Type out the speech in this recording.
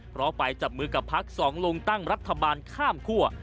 เพราะไปจับมือกับพักสองลุงตั้งรัฐบาลข้ามคั่ว